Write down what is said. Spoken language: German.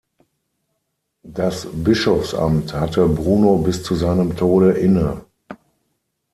Das Bischofsamt hatte Bruno bis zu seinem Tode inne.